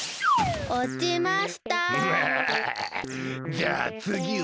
じゃあつぎは。